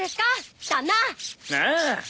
ああ。